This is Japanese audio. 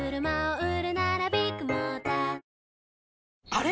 あれ？